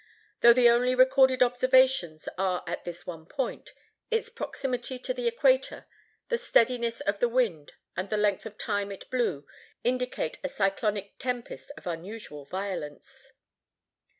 Though the only recorded observations are at this one point, its proximity to the equator, the steadiness of the wind and the length of time it blew indicate a cyclonic tempest of unusual violence.